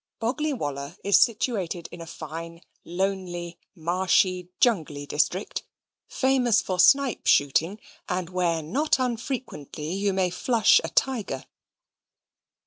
Boggley Wollah is situated in a fine, lonely, marshy, jungly district, famous for snipe shooting, and where not unfrequently you may flush a tiger.